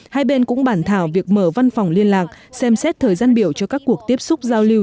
hai bên cũng bản thảo việc mở văn phòng liên lạc xem xét thời gian biểu cho các cuộc tiếp xúc giao lưu